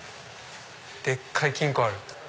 でっかい金庫ある。